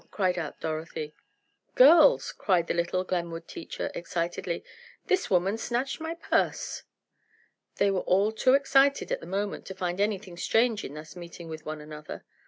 called out Dorothy. "Girls," cried the little Glenwood teacher, excitedly, "this woman snatched my purse!" They were all too excited at the moment to find anything strange in thus meeting with one another.